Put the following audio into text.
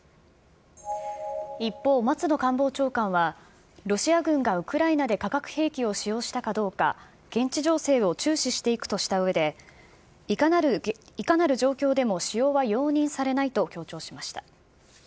一方、松野官房長官は、ロシア軍がウクライナで化学兵器を使用したかどうか、現地情勢を注視していくとしたうえで、いかなる状況でも使用は容認されないと強調しました。